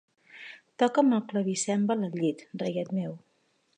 Toca'm el clavicèmbal al llit, reiet meu.